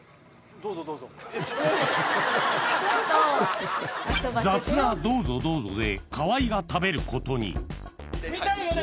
どうぞどうぞ雑な「どうぞどうぞ」で河合が食べることに・見たいよね？